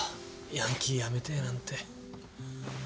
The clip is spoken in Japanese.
ヤンキーやめてえなんて。